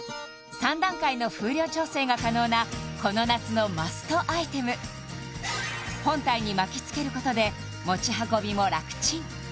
３段階の風量調整が可能なこの夏のマストアイテム本体に巻きつけることで持ち運びも楽チン！